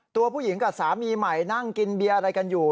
ตัวผู้หญิงกับสามีใหม่นั่งกินเบียร์อะไรกันอยู่